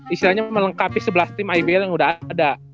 istilahnya melengkapi sebelas tim ibl yang sudah ada